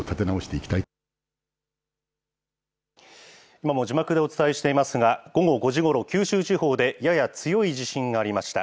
今も字幕でお伝えしていますが、午後５時ごろ、九州地方でやや強い地震がありました。